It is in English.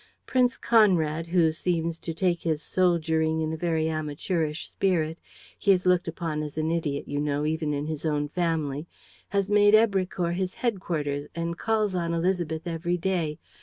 "Prince Conrad, who seems to take his soldiering in a very amateurish spirit he is looked upon as an idiot, you know, even in his own family has made Èbrecourt his headquarters and calls on Élisabeth every day.